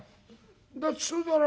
だってそうだろ？